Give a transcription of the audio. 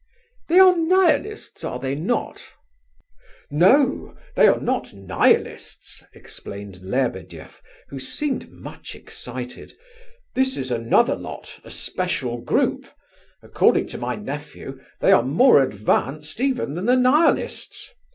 "They are Nihilists, are they not?" "No, they are not Nihilists," explained Lebedeff, who seemed much excited. "This is another lot—a special group. According to my nephew they are more advanced even than the Nihilists.